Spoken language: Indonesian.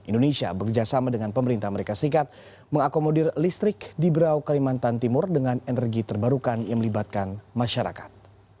indonesia bekerjasama dengan pemerintah amerika serikat mengakomodir listrik di brau kalimantan timur dengan energi terbarukan yang melibatkan masyarakat